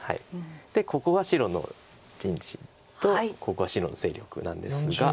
ここは白の陣地とここは白の勢力なんですが。